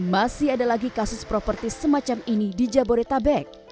masih ada lagi kasus properti semacam ini di jabodetabek